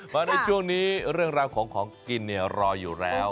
มาในช่วงนี้เรื่องราวของของกินเนี่ยรออยู่แล้ว